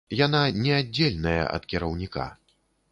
Яна неаддзельная ад кіраўніка.